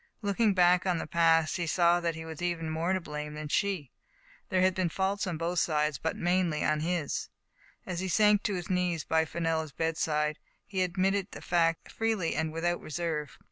Looking back on the past, he saw that he was even more to blame than she. There had been faults on both sides, but mainly on his. As he sank on his knees by Fenella's bedside, he ad mitted the fact, freely and without reserve.